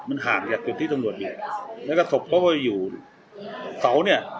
มันห่างจากตรงที่ตำรวจอยู่แล้วก็ถบเพราะว่าอยู่เตาเนี่ย